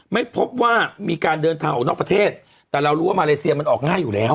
ไม่พบว่ามีการเดินทางออกนอกประเทศแต่เรารู้ว่ามาเลเซียมันออกง่ายอยู่แล้ว